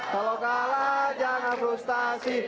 kalau kalah jangan frustasi